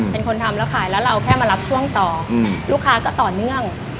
เป็นคนทำแล้วขายแล้วเราแค่มารับช่วงต่อลูกค้าก็ต่อเนื่อง